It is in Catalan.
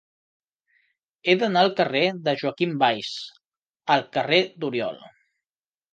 He d'anar del carrer de Joaquim Valls al carrer d'Oriol.